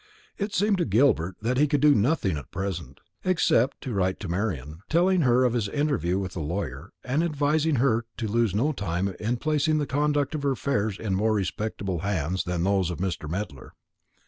It seemed to Gilbert that he could do nothing at present, except write to Marian, telling her of his interview with the lawyer, and advising her to lose no time in placing the conduct of her affairs in more respectable hands than those of Mr. Medler.